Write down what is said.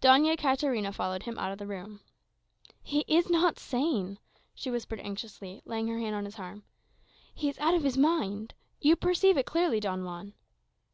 Doña Katarina followed him out of the room. "He is not sane," she whispered anxiously, laying her hand on his arm; "he is out of his mind. You perceive it clearly, Don Juan?"